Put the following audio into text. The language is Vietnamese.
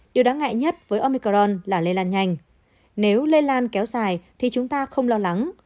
điều đáng ngại nhất với omicron là lây lan nhanh nếu lây lan kéo dài thì chúng ta không lo lắng